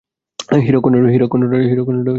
হীরকখণ্ডটা, general!